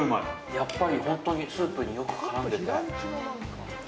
やっぱり、ほんとにスープによく絡んでて。